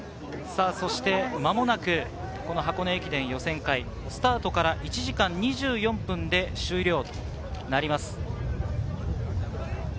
間もなく箱根駅伝予選会、スタートから１時間２４分で終了となります。